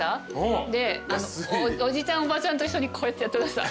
おじちゃんおばちゃんと一緒にこうやってやってました。